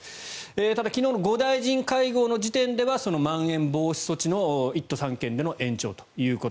ただ昨日の５大臣会合の中でまん延防止措置の１都３県での延長ということ。